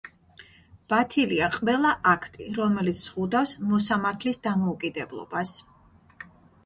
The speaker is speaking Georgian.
ბათილია ყველა აქტი, რომელიც ზღუდავს მოსამართლის დამოუკიდებლობას.